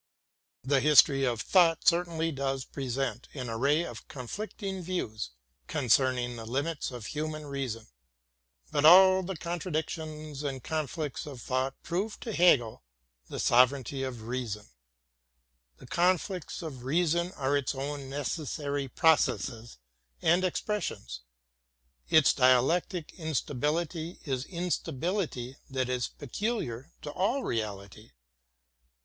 The history of thought certainly does present an array of conflicting views 12 THE GERMAN CLASSICS concerning the limits of human reason. But all the contra dictions and conflicts of thought prove to Hegel the sover eignty of reason. The conflicts of reason are its own nec essary processes and expressions. Its dialectic insta bility is instability that is peculiar to all reality.